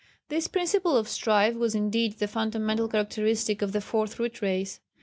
This principle of strife was indeed the fundamental characteristic of the Fourth Root Race.